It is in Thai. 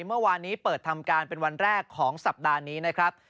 เมื่อวานนี้เปิดทำการเป็นวันแรกของสัปดาห์นี้นะครับ